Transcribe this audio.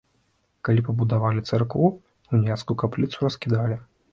Калі пабудавалі царкву, уніяцкую капліцу раскідалі.